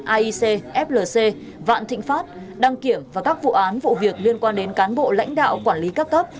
aic flc vạn thịnh pháp đăng kiểm và các vụ án vụ việc liên quan đến cán bộ lãnh đạo quản lý các cấp